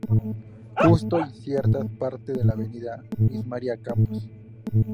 Justo y ciertas partes de la Avenida Luis María Campos.